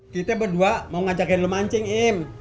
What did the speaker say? kita berdua mau ngajakin lu mancing im